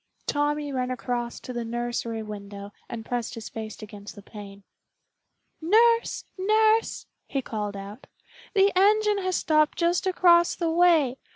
Tommy ran across to the nursery window and pressed his face against the pane. "Nurse, nurse!" he called out. "The engine has stopped just across the way.